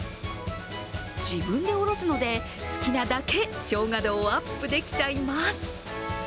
自分でおろすので、好きなだけしょうが度をアップできちゃいます。